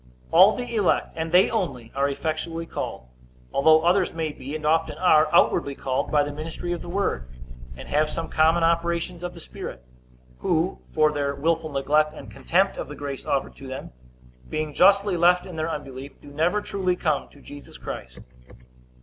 All the elect, and they only, are effectually called; although others may be, and often are, outwardly called by the ministry of the word, and have some common operations of the Spirit; who, for their willful neglect and contempt of the grace offered to them, being justly left in their unbelief, do never truly come to Jesus Christ.